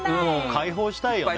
解放したいよね。